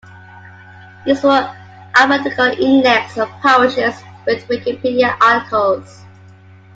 Use for an alphabetical index of parishes with Wikipedia articles.